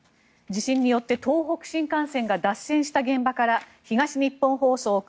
地震によって東北新幹線が脱線した現場から東日本放送